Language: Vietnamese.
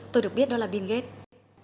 tôi được biết đó là bill gates